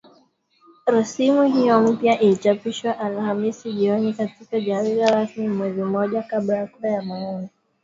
Rasimu hiyo mpya ilichapishwa Alhamis jioni katika jarida rasmi, mwezi mmoja kabla ya kura ya maoni